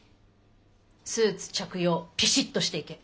スーツ着用ピシッとして行け。